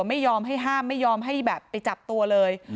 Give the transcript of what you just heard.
ไม่ยอมให้ห้ามไม่ยอมให้แบบไปจับตัวเลย